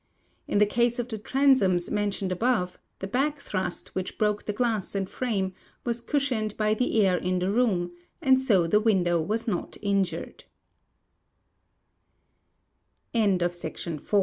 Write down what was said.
In the case of the transoms mentioned above, the back thrust which bnjke the glass and frame was cushioned by the air in the room, and so the window was not in